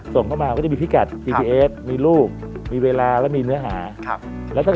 ส่งเขามามีพิกัดจิพย์เอสรูปเวลาและเนื้อหา